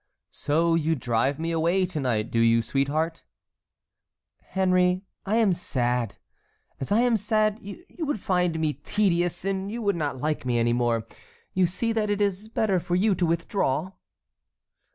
"So you drive me away to night, do you, sweetheart?" "Henry, I am sad. As I am sad, you would find me tedious and you would not like me any more. You see that it is better for you to withdraw."